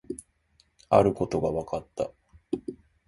あることが分かった